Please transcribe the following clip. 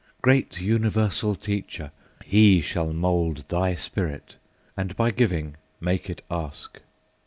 Great universal Teacher! he shall mould Thy spirit, and by giving make it ask.